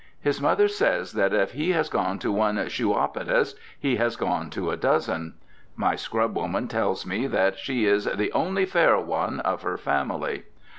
His mother says that if he has gone to one "shoeopodist" he has gone to a dozen. My scrubwoman tells me that she is "the only fair one" of her family.